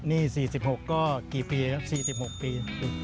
นี่๔๖ก็กี่ปีครับ๔๖ปี